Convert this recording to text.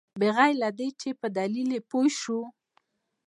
بغیر له دې چې په دلیل یې پوه شوو.